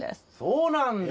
そうなんだ。